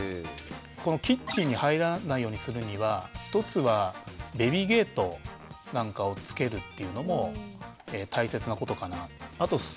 キッチンに入らないようにするには１つはベビーゲートなんかをつけるっていうのも大切なことかなと。